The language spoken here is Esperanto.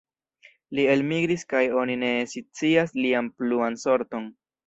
Li elmigris kaj oni ne scias lian pluan sorton.